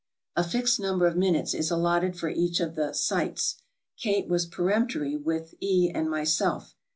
A fixed number of minutes is allotted for each of the "sights." Kate was peremptory with E and myself.